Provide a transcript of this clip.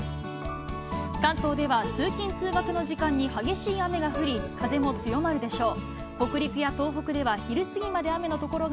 関東では通勤・通学の時間に激しい雨が降り、風も強まるでしょう。